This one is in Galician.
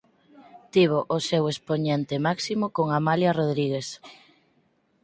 Tivo o seu expoñente máximo con Amália Rodrigues.